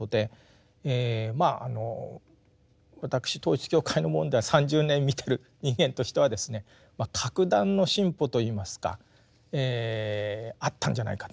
私統一教会の問題は３０年見てる人間としてはですね格段の進歩といいますかあったんじゃないかなと。